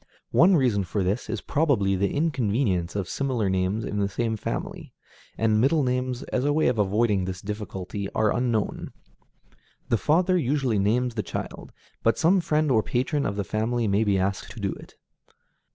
One reason for this is probably the inconvenience of similar names in the same family, and middle names, as a way of avoiding this difficulty, are unknown. The father usually names the child, but some friend or patron of the family may be asked to do it.